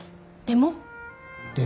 でも？